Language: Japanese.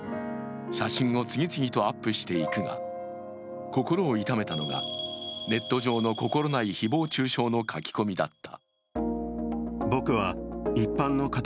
写真を次々とアップしていくが心を痛めたのが、ネット上の心ない誹謗中傷の書き込みだった。